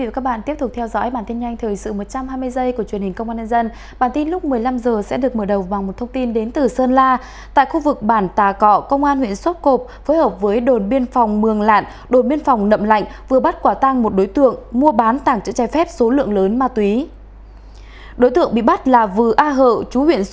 các bạn hãy đăng ký kênh để ủng hộ kênh của chúng mình nhé